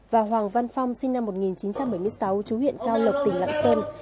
và hoàng văn phong sinh năm một nghìn chín trăm bảy mươi sáu chú huyện cao lộc tỉnh lạng sơn